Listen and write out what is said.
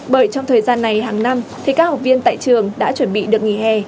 bởi trong thời gian này hàng năm thì các học viên tại trường đã chuẩn bị được nghỉ hè